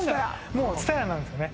もう津多屋なんですよね